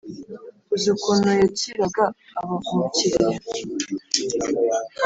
uzi ukuntu yakiraga aba umukiriya